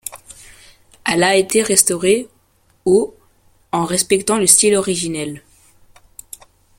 Elle a été restaurée au en respectant le style originel.